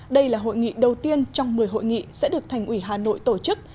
đây là hội nghị đầu tiên trong một mươi hội nghị sẽ được thành ủy hà nội tổ chức